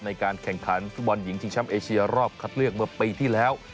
ในการแข่งขันฟุตบอลหญิงชิงช้ำเอเชียรอบคัดเลือกเมื่อปีที่แล้ว